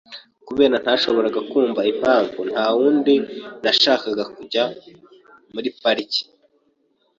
Kabera ntiyashoboraga kumva impamvu ntawundi washakaga kujya muri pariki.